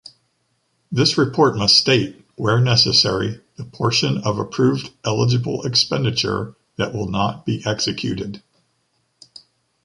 This report must state, where necessary, the portion of approved eligible expenditure that will not be executed.